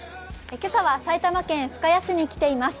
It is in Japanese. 今朝は埼玉県深谷市に来ています。